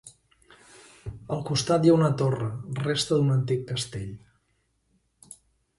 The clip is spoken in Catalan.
Al costat hi ha una torre, resta d'un antic castell.